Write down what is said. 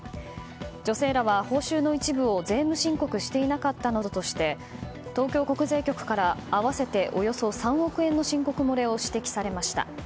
女性らは報酬の一部を税務申告していなかったなどとして東京国税局から合わせておよそ３億円の申告漏れを指摘されました。